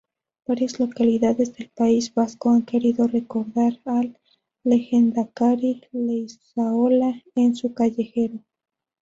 Varias localidades del País Vasco han querido recordar al lehendakari Leizaola en su callejero.